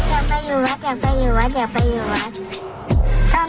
อยากไปอยู่วัดอยากไปอยู่วัดอยากไปอยู่วัด